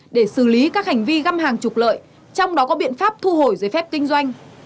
để xử lý các hành vi găm hàng trục lợi trong đó có biện pháp thu hồi giấy phép kinh doanh